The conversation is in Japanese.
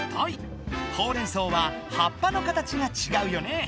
ほうれんそうははっぱの形がちがうよね。